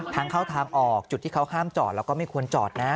ทางเข้าทางออกจุดที่เขาห้ามจอดแล้วก็ไม่ควรจอดนะ